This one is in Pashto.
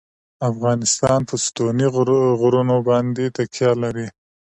افغانستان په ستوني غرونه باندې تکیه لري.